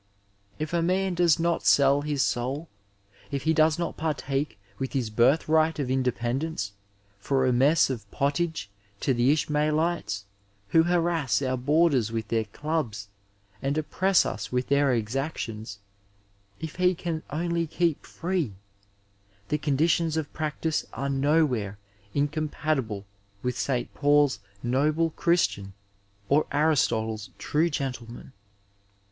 If a man does 802 Digitized by VjOOQIC CHAUVINISM IN MEDICINE not sell his soul, if he does not part with his birthright of independence for a mess of pottage to the Ishmaelites who harass onr borders with their clubs and oppress us with thei* exactions, if he can only keep /fee, the conditions of practice are nowhere incompatible with St. Paul's noble Christian or Aristotle's true gentleman (Sir Thomas Browne).